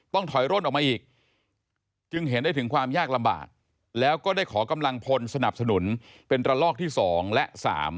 ถอยร่นออกมาอีกจึงเห็นได้ถึงความยากลำบากแล้วก็ได้ขอกำลังพลสนับสนุนเป็นระลอกที่๒และ๓